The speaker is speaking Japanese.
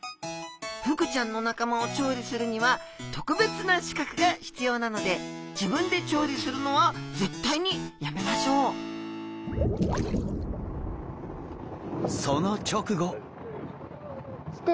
フグちゃんの仲間を調理するには特別な資格が必要なので自分で調理するのは絶対にやめましょうその直後！